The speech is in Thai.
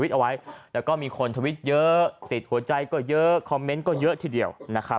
ทวิดเอาไว้และก็มีคนทวิดเยอะติดหัวใจก็เยอะคอมเม้นต์ก็เยอะทีเดียว